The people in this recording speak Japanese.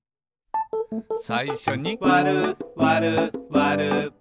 「さいしょにわるわるわる」